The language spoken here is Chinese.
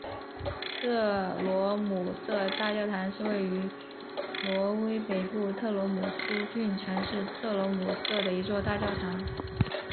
特罗姆瑟大教堂是位于挪威北部特罗姆斯郡城市特罗姆瑟的一座大教堂。